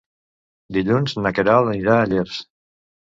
Dilluns na Queralt anirà a Llers.